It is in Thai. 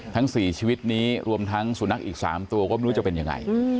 ทั้ง๔ชีวิตนี้รวมทั้งสุนัขอีก๓ตัวก็ไม่รู้จะเป็นยังไง